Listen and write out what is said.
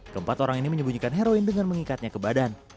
keempat orang ini menyembunyikan heroin dengan mengikatnya ke badan